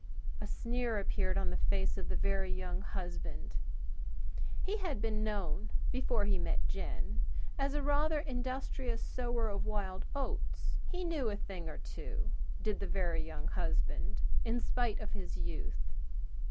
A sneer appeared on the face of the Very Young Husband. He had been known before he met Jen as a rather industrious sower of that seed known as wild oats. He knew a thing or two, did the Very Young Husband, in spite of his youth!